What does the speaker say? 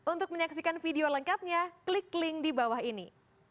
untuk menyaksikan video lengkapnya klik link di bawah ini